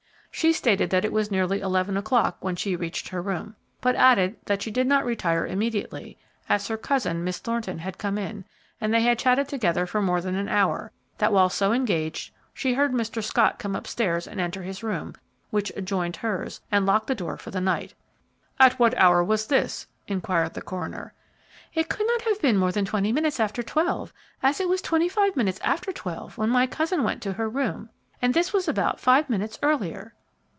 She stated that it was nearly eleven o'clock when she reached her room, but added that she did not retire immediately, as her cousin, Miss Thornton, had come in, and they had chatted together for more than an hour; that while so engaged, she heard Mr. Scott come up stairs and enter his room, which adjoined hers, and lock the door for the night. "At what hour was this?" inquired the coroner. "It could not have been more than twenty minutes after twelve, as it was twenty five minutes after twelve when my cousin went to her room, and this was about five minutes earlier."